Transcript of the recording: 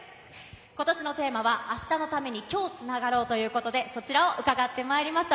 ことしのテーマは「明日のために、今日つながろう。」ということで、そちらを伺ってまいりました。